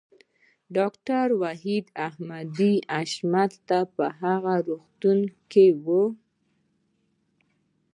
ډاکټر وحید احمد حشمتی په هغه روغتون کې و